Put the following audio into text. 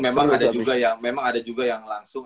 walaupun memang ada juga yang langsung